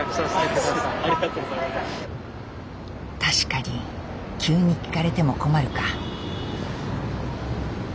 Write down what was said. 確かに急に聞かれても困るか。